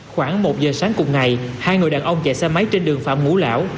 khoảng một giờ sáng cùng ngày hai người đàn ông chạy xe máy trên đường phạm ngũ lão